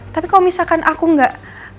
tapi kalau misalkan aku nggak